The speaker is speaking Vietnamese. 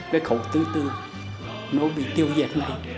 cái khẩu thứ tư nó bị tiêu diệt lại